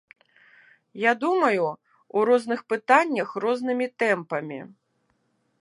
Я думаю, у розных пытаннях рознымі тэмпамі.